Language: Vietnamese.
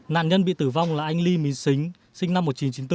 nạn nhân bị tử vong là anh ly minh xính sinh năm một nghìn chín trăm chín mươi bốn